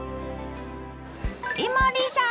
伊守さん！